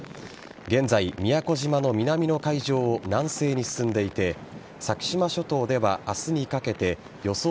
現在、宮古島の南の海上を南西に進んでいて先島諸島では明日にかけて予想